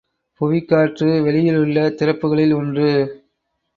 புவிக்காற்று வெளியிலுள்ள திறப்புகளில் ஒன்று.